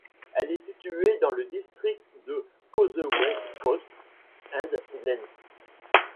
Elle est située dans le district de Causeway Coast and Glens.